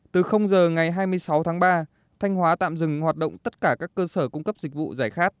từ giờ ngày hai mươi sáu tháng ba thanh hóa tạm dừng hoạt động tất cả các cơ sở cung cấp dịch vụ giải khát